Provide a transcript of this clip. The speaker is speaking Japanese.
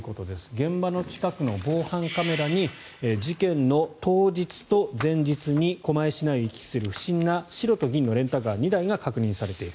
現場の近くの防犯カメラに事件の当日と前日に狛江市内を行き来する不審な白と銀のレンタカー２台が確認されている。